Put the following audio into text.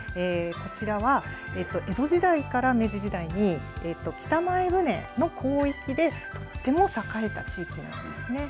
こちらは江戸時代から明治時代に、北前船の港域でとっても栄えた地域なんですね。